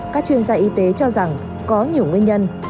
các chuyên gia y tế cho rằng có nhiều nguyên nhân